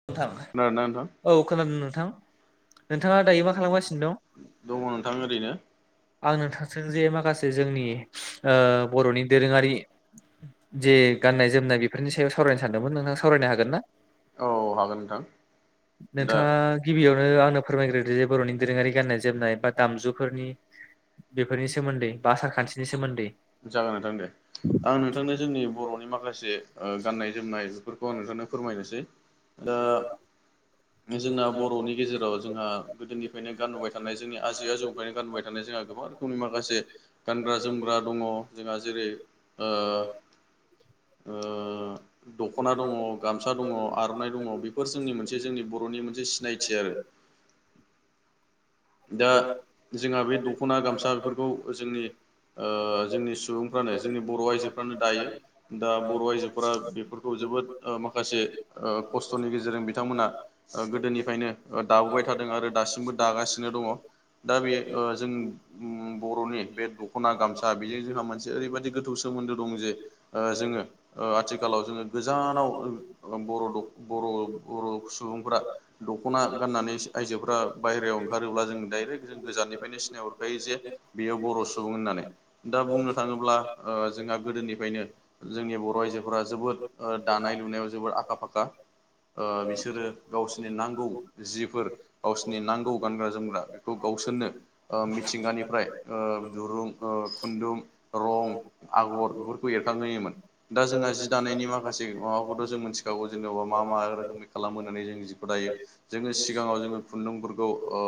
नोंथां खोनादोंना नोंथां? औ खोनादों नोंथां। नोंथाङा दायो मा खालामगासिनो दङ दं? नोंथां ओरैनो। आं नोंथांजों जे माखासे जोंनि ओ बर'नि दोरोङारि जे गाननाय जोमनाय बेफोरनि सायाव सावरायनो सानदोंमोन। नोंथां सावरायनो हागोन ना? औ हागोन नोंथां। दा नोंथाङा गिबियावनो आंनो फोरमायग्रोदो जे बर'नि दोरोङारि गाननाय जोमनाय बा दामजुफोरनि बेफोरनि सोमोन्दै बा आसारखान्थिनि सोमोन्दै। जागोन नोंथां दे। आं नोंथांनो जोंनि बर'नि माखासे ओ गाननाय जोमनाय बेफोरखौ आं नोंथांनो फोरमायनोसै। ओ जोंना बर'नि गेजेराव जोंहा गोदोनिफ्रायनो गानबोबाय थानाय जोंनि आजै आजौनिफ्रायनो गानबोबाय थानाय जोंहा गोबां रोखोमनि माखासे गानग्रा जोमग्रा दङ, जोंहा जेरै ओ ओ दख'ना दङ गामसा दङ आर'नाइ दङ बेफोर जोंनि मोनसे जोंनि बर'नि मोनसे सिनायथि आरो दा जोंहा बे दख'ना गामसा बेफोरखौ जोंनि जोंनि सुबुंफ्रानो जोंनि बर' आइजोफ्रानो दायो दा बर' आइजोफोरा बेफोरखौ जोबोद माखासे खस्थ'नि गेजेरजों बिथांमोना गोदोनिफ्रायनो दाबोबाय थादों आरो दासिमबो दागासिनो दङ दा बे जों ओ बर'नि बे दख'ना गामसा बेजों जोंहा मोनसे ओरैबायदि गोथौ सोमोन्दो दं जे ओ जोङो आथिखालाव जोङो गोजानाव' बर' बर' सुबुंफोरा दखना गाननानै आइजोफोरा बायहेरायाव ओंखारोब्ला जों डाइरेक्ट जों गोजाननिफ्रायनो सिनायहरखायो जे बेयाव बर' सुबुं होननानै दा बुंनो थाङोब्ला जोंहा गोदोनिफ्रायनो जोंनि बर' आइजोफोरा जोबोद दानाय लुनायाव जोबोद आखा फाखा ओ बिसोरो गावसोरनि नांगौ जिफोर गावसोरनि नांगौ गानग्रा जोमग्रा बेखौ गावसोरनो मिथिंगानिफ्राय दुरुं खुन्दुं रं आगर बेफोरखौ एरखांहोयोमोन दा जोंहा जि दानायनि माखासे माबाखौथ' जों मोनथिखागौ जेनेबा मा मा रोखोम खालामो होननानै जों जिखौ दायो जोङो सिगाङाव जोङो खुन्दुंफोरखौ ओ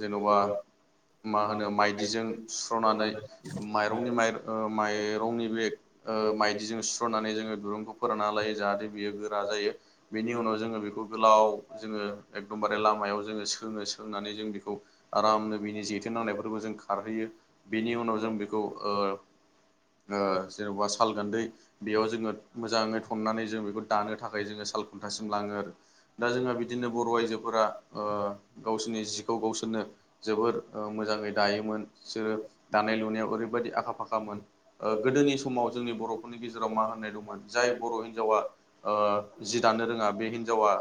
जेन'बा मा होनो माइदिजों सुस्र'नानै माइरंनि माइ ओ माइरंनि बे ओ माइदिजों सुस्र'नानै जोङो दिरुंखौ फोरानना लायो जाहाथे बियो गोरा जायो। बेनि उनाव जोङो बेखौ गोलाव जोङो एकदमबारे लामायाव जोङो सोङो सोंनानै जों बेखौ आरामनो बिनि जेथोनांनायफोरखौ जों खारहोयो। बेनि उनाव जों बेखौ ओ‌ ओ जेन'बा साल गान्दै बेयाव जोङो मोजाङै थन्नानै जों बेखौ दानो थाखाय जोङो साल खुन्थासिम लाङो दा जोंहा बिदिनो बर' आइजोफोरा ओ गावसोरनि जिखौ गावसोरनो जोबोर ओ मोजाङै दायोमोन इसोरो दानाय लुनायाव ओरैबायदि आखा फाखामोन। ओ गोदोनि समाव जोंनि बर'फोरनि गेजेराव मा होननाय दंमोन जाय बर' हिनजावा ओ जि दानो रोङा बे हिन्जावा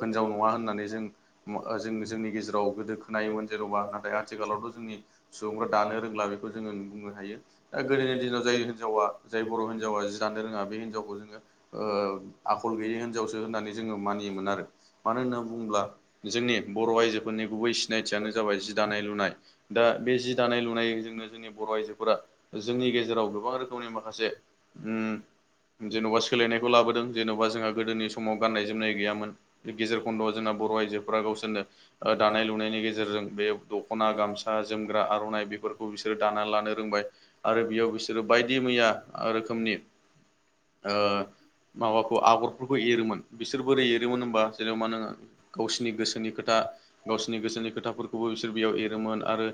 होनजाव नङा होननानै मानि जों ओ जों जोंनि गेजेराव गोदो खोनायोमोन जेन'बा नाथाय आथिखालावथ' जोंनि सुबुंफ्रा दानो रोंला बेखौ जोङो बुंनो हायो। दा गोदोनि दिनाव जाय हिनजावा जाय बर' हिनजावा जि जानो रोङा बे हिनजावखौ जोङो ओ आखल गैयै हिनजावसो होननानै जोङो मानियोमोन आरो मानो हो बुंब्ला जोंनि बर' आइजोफोरनि गुबै सिनायथियानो जाबाय जि दानाय लुनाय। दा बे जि दानाय लुनायजोंनो जोंनि बर' आइजोफोरा जोंनि गेजेराव गोबां रोखोमनि माखासे उम [inaudible] जेन'बा सोलायनायखौ लाबोदों जेन'बा जोंहा गोदोनि समाव गाननाय जोमनाय गैयामोन गेजेर बन्द' जोंना बर' आइजोफोरा गावसोरनो ओ दानाय लुनायनि गेजेरजों बे दख'ना गामसा जोमग्रा आर'नाइ बेफोरखौ बिसोरो दानानै लानो रोंबाय। आरो बेयाव बिसोरो बायदि मैया रोखोमनि ओ माबाखौ आगरफोरखौ एरोमोन बिसोर बोरै एरोमोन होमबा जेन'बा गावसिनि गोसोनि खोथा गावसिनि गोसोनि खोथाफोरखौ खौबो बिसोर बेयाव एरोमोन आरो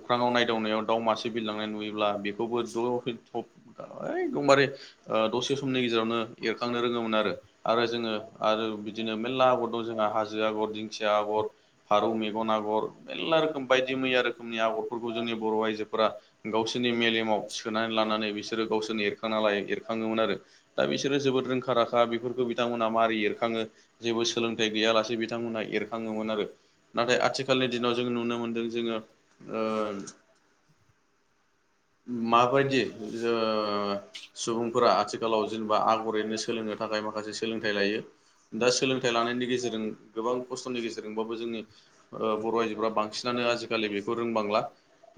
अख्राङाव नायदावनायाव दाउ मासे सिबिलांनाय नुयोब्ला बेखौबो ओइ एकदमबारे ओ दसे समनि गेजेरावनो एरखांनो रोङोमोन आरो आरो जोङो आरो बिदिनो मेरला जोंहा हाजो आगर दिंखिया आगर फारौ मेगन आगर मेरला रोखोम बायदि मैया रोखोमनि आगरफोरखौ जोंनि बर' आइजोफोरा गावसोरनि मेलेमाव सोनानै लानानै बिसोरो गावसोरनि एरखांना लायो एरखाङोमोन आरो। दा बिसोरो जोबोद रोंखा राखा बेफोरखौ बिथांमोनहा मारै एरखाङो जेबो सोलोंथाइ गैयालासे बिथांमोनहा एरखाङोमोन आरो नाथाय आथिखालनि दिनाव जों नुनो मोन्दों जोङो ओ [inaudible] माबायदि जोङो सुबुंफोरा आथिखालाव जेनेबा आगर एरनो सोलोंनो थाखाय माखासे सोलोंथाइ लायो दा सोलों थाइ लानायनि गेजेरजों गोबां खस्थ'नि गेजेरजोंबाबो जोंनि ओ बर' आइजोफोरा बांसिनानो आजिखालि बेखौ रोंबांला।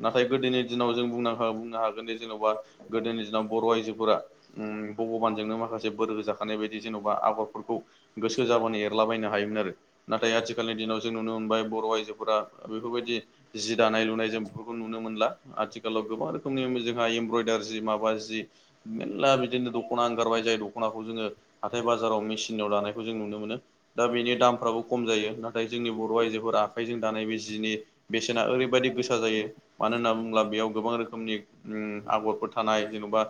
नाथाय गोदोनि दिनाव जों बुंनो हागोनदि जेन'बा गोदोनि दिनाव बर' आइजोफोरा भगबानजोंनो माखासे बोर होजाखानाय बायदि जेन'बा आबादफोरखौ गोसो जाबानो एरलाबायनो हायोमोन आरो नाथाय आथिखालनि दिनाव जों नुनो मोनबाय बर' आइजोफोरा बेफोरबायदि जि दानाय लुनायजों नुनो मोनला आथिखालाव गोबां रोखोमनि जोंहा एमब्रयदारि जि माबा जि मेनला बिदिनो दख'ना ओंखारबाय जाय दख'नाखौ जोङो हाथाय बाजाराव मेसिनाव लानायखौ जों नुनो मोनो दा बेनि दामफ्राबो खम जायो नाथाय जोंनि बर' आइजोफोरा आखाइजों दानाय बे जिनि बेसेना ओरैबायदि गोसा जायो। मानो होनना बुङोब्ला बेयाव गोबां रोखोमनि उम आगरफोर थानाय जेन'बा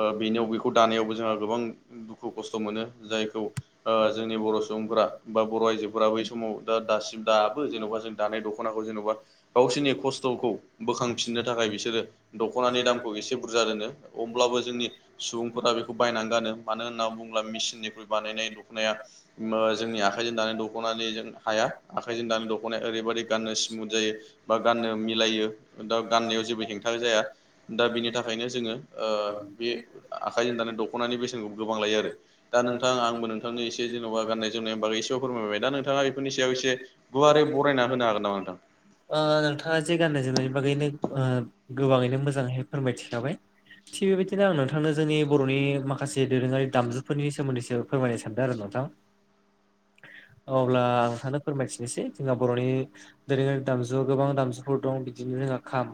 ओ बेनियाव बेखौ दानायावबो जोंहा गोबां दुखु खस्थ' मोनो जायखौ ओ जोंनि बर' सुबुंफोरा बा बर' आइजोफोरा बै समाव दा दासिम दाबो जेन'बा जों दानाय दख'नाखौ जेन'बा गावसोरनि खस्थ'खौ बोखांफिननो थाखाय बिसोरो दख'नानि दामखौ एसे बुरजा दोनो अब्लाबो जोंनि सुबुंफोरा बेखौ बायनानै गानो मानो होनना बुङोब्ला मेसिननिफ्राय बानायनाय दख'नाया मा जोंनि आखाइजों दानानै दख'नानि जों हाया आखाइजों दानाय बा गाननो मिलायो दा गाननायाव जेबो हेंथा जाया दा बिनि थाखायनो जोङो ओ बे आखाइजों दानाय दख'नानि बेसेनखौ गोबां लायो आरो दा नोंथां आंबो नोंथांनि एसे एसे जेनेबा गाननाय जोमनाय बागै एसेबाबो फोरमायबाय दा नोंथाङा इफोरनि सायाव एसे गुवारै बरायना होनो हागोन नामा नोंथां ओ नोंथाङा जे गाननाय जोमनायनि बागैनो ओ गोबाङैनो मोजाङैहाय फोरमायथिखाबाय थिग बेबायदिनो आं नोंथांनो जोंनि बर'नि माखासे दोरोङारि दामजुफोरनि सोमोन्दैसो फोरमायनो सानदों आरो नोंथां अब्ला आं थानो फोरमायथिनोसै जोंहा बर'नि दोरोङारि दामजु गोबां दामजुफोर दं बिदिनो जोंहा खाम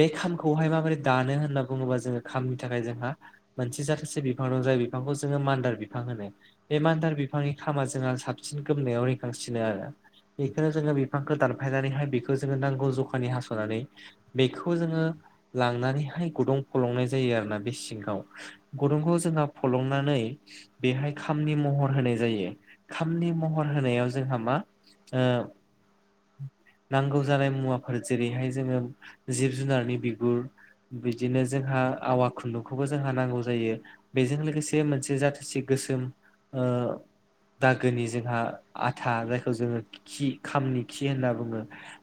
बे खामखौहाय माबोरै दानो होनना बुङोबा जोङो खामनि थाखाय जोंहा मोनसे जाथासे बिफां दं जाय बिफांखौ जोङो मान्दार बिफां होनो बे मान्दार बिफांनि खामा जोंहा साबसिन गोमनायाव रिखांसिनो आरो बेखौनो जोङो बिफांखौ दानफायनानैहाय बेखौ जोङो नांगौ जखानि हास'नानै बेखौ जोङो लांनानैहाय गुदुं फलंनाय जायो आरोना बे सिङाव गुदुंखौ जोंहा फलंनानै बेहाय खामनि महर होनाय जायो खामनि महर होनायाव जोंहा मा ओ नांगौ जानाय मुवाफोर जेरैहाय जोङो जिब जुनारनि बिगुर बिदिनो जोंहा आवा खुन्दुंखौबो जोंहा नांगौ जायो बेजों लोगोसे मोनसे जाथिसे गोसोम ओ दागोनि जोंहा आथा जायखौ जोङो खि खामनि खि होनना बुङो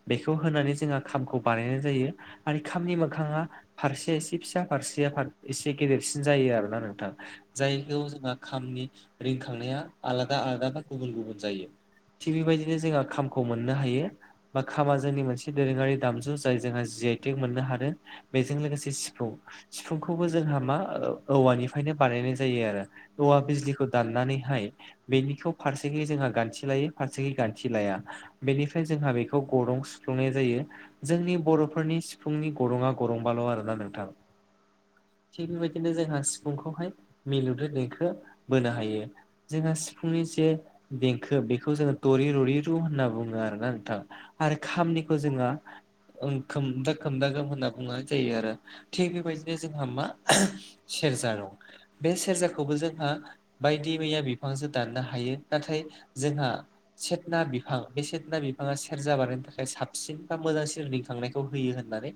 बेखौ होनानै जोंहा खामखौ बानायनाय जायो आरो खामनि मोखाङा फारसे एसे फिसा फारसेया फार एसे गेदेरसिन जायो आरोना नोंथां जायखौ जोंहा खामनि रिंखांनाया आलादा आलादा बा गुबुन गुबुन जायो थिग बेबायदिनो जोंहा खामखौ मोनो मोननो हायो बा खामा जोंनि मोनसे दोरोङारि दामजु जाय जोंहा जि आइ टेग मोननो हादों बेजों लोगोसे सिफुंखौबो जोंहा मा औवानिफ्रायनो बानायनाय जायो आरो औवा बिजलिखौ दाननानैहाय बेनिखौ फारसेखै जोंहा गान्थि लायो फारसेखै गान्थि लाया। बेनिफ्राय जोंहा बेखौ गरं सुफ्लुंनाय जायो जोंनि बर'फोरनि सिफुंनि गरङा गरंबाल' आरोना नोंथां थिग बेबायदिनो जोंहा सिफुंखौहाय मिलौदो देंखो बोनो हायो जोंहा सिफुंनि जे देंखो बेखौ जोङो दरि ररि रुं आरोना नोंथां आरो खामानिखौ जोङो खोमदा खोमदा गोम होनना बुंनाय जायो आरो थिग बेबायदिनो जोंहा मा सेरजा दं बे सेरजाखौबो जोंहा बायदि मैया बिफांजों दाननो हायो नाथाय जोंहा सेथना बिफां बे सेथना बिफाङा सेरजा बानायनो थाखाय साबसिन बा मोजांसिन लिंखांनायखौ होयो होननानै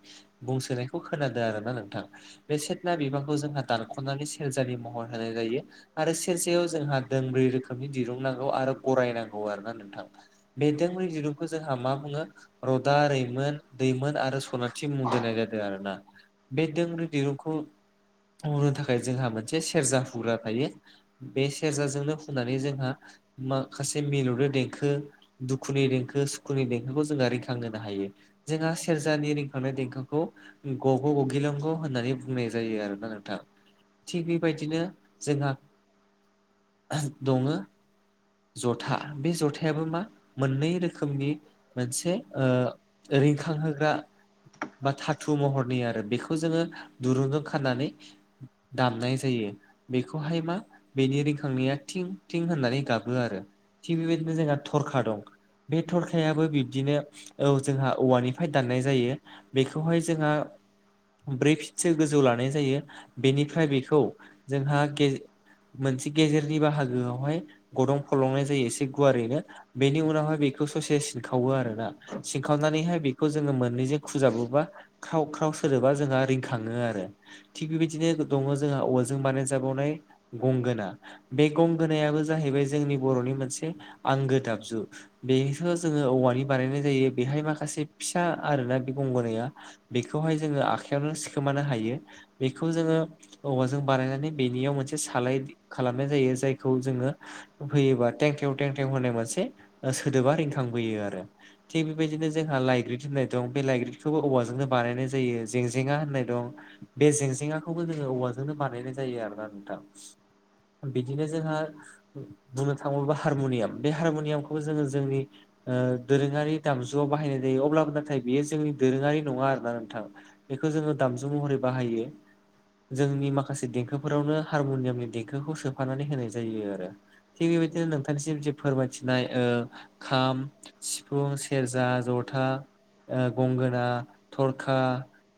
बुंसोनायखौ खोनादों आरोना नोंथां बे सेथना बिबांखौ जोंहा दानख'नानै सेरजानि महर होनाय जायो आरो सेरसेयाव जोंहा दोंब्रै रोखोमनि दिरुं नांगौ आरो गराय नांगौ आरो ना नोंथां बे दोंब्रै दिरुंखौ जोंहा मा बुङो रदा रैमोन दैमोन आरो सनोन मुं दोननाय जादों आरोना बे दोंब्रै दिरुंखौ मावनो थाखाय जोंहा मोन मोनसे सेरजा हुग्रा थायो बे सेरजाजोंनो हुनानै जोंहा माखासे मिलौदो देंखो दुखुनि देंखो सुखुनि देंखोखौ जोङो रिंखांहोनो हायो जोंहा सेरजानि रिखांनाय देंखोखौ गग' गगिलं ग' होननानै बुङो बुंनाय जायो आरोना नोंथां थिग बेबायदिनो जोंहा दङ जथा बे जथायाबो मा मोननै रोखोमनि मोनसे रिंखांहोग्रा बा थाथु महरनि आरो बेखौ खौ जोङो दुरुंजों खाननानै दामनाय जायो बेखौहाय मा बेनि रिखांनाया थिं थिं होननानै गाबो आरो थिग बेबायदिनो जोंहा थरखा दं बे थरखायाबो बिब्दिनो औ जोंहा औवानिफ्राय दाननाय जायो बेखौहाय जोंहा ब्रै फिटसो गोजौ लानाय जायो बेनिफ्राय बेखौ जोंहा ग मोनसे गेजेरनि बाहागोआवहाय गदं फलंनाय जायो एसे गुवारैनो बेनि उनावहाय बेखौ ससे सिनखावो आरोना सिनखावनानैहाय बेखौ जोङो मोननैजों खुजाबोबा ख्राव ख्राव सोदोबा जोंहा रिंखाङो आरो थिग बेबायदिनो दङ जोंहा औवाजों बानायजाबावनाय गंगोना बे गंगोनायाबो जाहैबाय जोंनि बर'नि मोनसे आंगो दाबजु बेसो जोङो औवानि बानायनाय जायो बेहाय माखासे फिसा आरोना बे गंगोनाया बेखौहाय जोङो आखायावनो सिखोमानो हायो बेखौ जोङो औवाजों बानायनानै बेनियाव मोनसे सालाय खालामनाय जायो जायखौ जोङो होयोबा टेंखेव थेंखेव होनाय मोनसे सोदोबा रिंखांबोयो आरो थिग बेबायदिनो जोंहा लाइग्रिद होननाय दं बे लाइग्रिखौबो औबवाजोंनो बानायनाय जायो जेंजेंङा होननाय दं बे जेंजङाखौबो जोङो औवाजोंनो बानायनाय जायो आरोना नोंथां बिदिनो जोंहा बुंनो थाङोब्ला हारमुनियाम बे हारमुनियामखौ खौ जोङो जोंनि दोरोङारि दामजुआव बाहायनाय जायो अब्लाबो नाथाय बेयो जोंनि दोरोङारि नङा आरोना नोंथां बेखौ जोङो दामजु महरै बाहायो जोंनि माखासे देंखोफोरावनो हारमुनियामनि देंखोखौ सोफानानै होनाय जायो आरो थिग बेबायदिनो नोंथांनिसिम जे फोरमायथिनाय खाम सिफुं सेरजा जथा गंगोना थरखा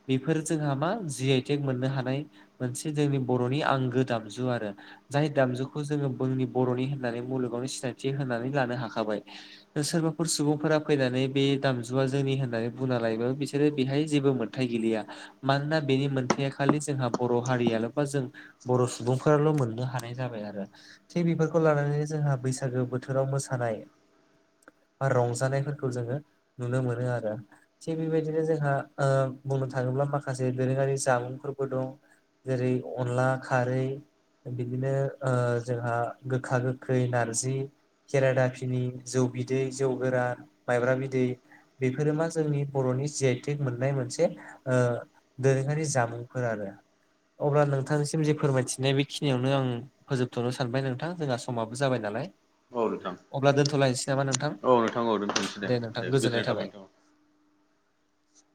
बेफोर जोंहा मा जि आइटेक मोननो हानाय मोनसे जोंनि बर'नि आंगो दामजु आरो जाय दामजुखौ जोङो बुंनि बर'नि होननानै मुलुगावनो सिनायथि होनानै लानो हाखाबाय सोरबाफोर सुबुंफोरा फैनानै बे दामजु जुवा जोंनि होननानै बुंना लायोबो बिसोरो बेहाय जेबो मोन्थाय गेललिया। मानोना बेनि मोनथाया खालि जोंहा बर' हारियाल बा जों बर' सुबुंफोराल' मोननो हानाय जाबाय आरो। थिग बेफोरखौ लानानैनो जोंहा बैसागो बोथोराव मोसानाय बा रंजानायफोरखौ जोङो नुनो मोनो आरो थिग बेबायदिनो जोंहा ओ बुंनो थाङोब्ला माखासे दोरोङारि जामुंफोर दं जेरै अनला खारै बिदिनो ओ जोंहा गोखा गोखै नारजि खेरादा फिनि जौ बिदै जौ गोरा माइब्रा बिदै बेफोरो मा जोंनि बर'नि जिआइ टेक मोननाय मोनसे दोरोङारि जामुंफोर आरो। अब्ला नोंथांनिसिम जे फोरमायथिनाय बेखिनियावनो आं फोजोबथ'नो सानबाय नोंथां जोंहा समाबो जाबाय नालाय? औ नोंथां अब्ला दोनथ'लायनोसै नामा नोंथां औ नोंथां औ दोनथांनोसै दे-दे गोजोननाय थाबाय नोंथां औ।